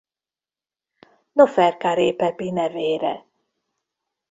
Noferkaré Pepi nevére.